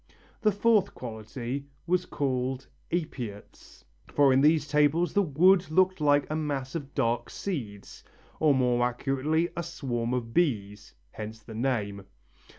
The fourth quality was called apiates, for in these tables the wood looked like a mass of dark seeds, or more accurately a swarm of bees hence the name.